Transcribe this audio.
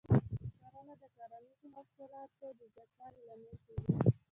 کرنه د کرنیزو محصولاتو د زیاتوالي لامل کېږي.